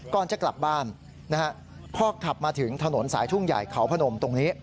ก่อนจะกลับบ้านนะฮะพอขับมาถึงถนนสายทุ่งใหญ่เขาพนมตรงนี้